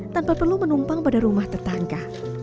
tanpa perlu menumpang pada rumah tetangga